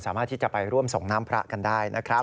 สามารถที่จะไปร่วมส่งน้ำพระกันได้นะครับ